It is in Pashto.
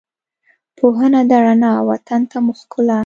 پوهنه ده رڼا، وطن ته مو ښکلا